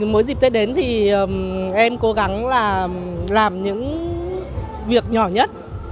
mỗi dịp tết đến thì em cố gắng là làm những việc nhỏ nhất